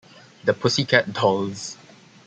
The Pussycat Dolls.